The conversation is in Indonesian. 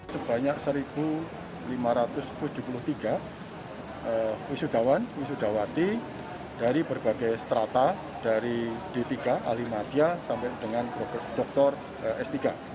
sebanyak satu lima ratus tujuh puluh tiga wisudawan wisudawati dari berbagai strata dari d tiga alimatya sampai dengan dr s tiga